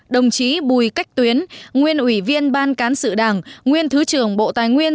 đồng chí bùi cách tuyến nguyên ủy viên ban cán sự đảng nguyên thứ trưởng bộ tài nguyên